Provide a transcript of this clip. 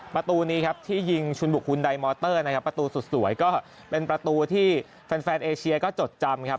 ประตูนี้ครับที่ยิงชุนบุกคุณไดมอเตอร์นะครับประตูสุดสวยก็เป็นประตูที่แฟนแฟนเอเชียก็จดจำครับ